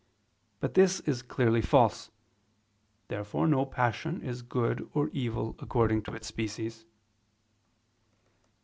But this is clearly false. Therefore no passion is good or evil according to its species.